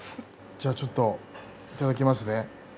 じゃあちょっといただきますね。